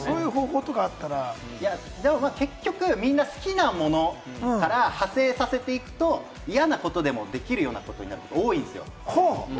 結局みんな、好きなものから派生させていくと、嫌なことでもできるようなことって、多いんですよ。